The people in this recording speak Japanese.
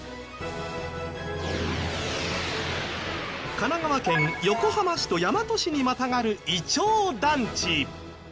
神奈川県横浜市と大和市にまたがるいちょう団地。